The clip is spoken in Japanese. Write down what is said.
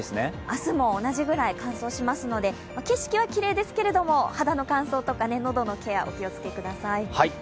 明日も同じぐらい乾燥しますので景色はきれいですけれども、肌の乾燥とか喉のケア、お気をつけください。